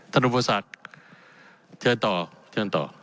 ท่านอุบรณ์สัตว์เชิญต่อเชิญต่อ